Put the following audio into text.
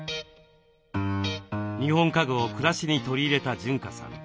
日本家具を暮らしに取り入れた潤香さん。